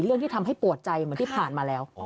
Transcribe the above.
ที่ทำให้ปวดใจเหมือนที่ผ่านมาแล้ว